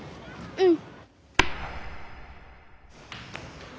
うん。